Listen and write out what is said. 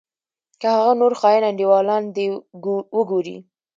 که هغه نور خاين انډيوالان دې وګورې.